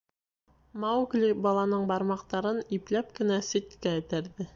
Маугли баланың бармаҡтарын ипләп кенә ситкә этәрҙе.